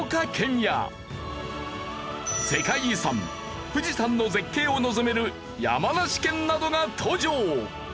世界遺産富士山の絶景を望める山梨県などが登場！